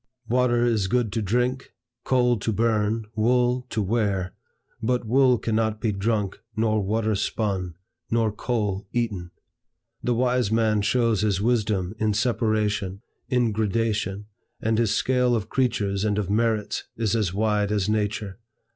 Water is good to drink, coal to burn, wool to wear; but wool cannot be drunk, nor water spun, nor coal eaten. The wise man shows his wisdom in separation, in gradation, and his scale of creatures and of merits is as wide as nature.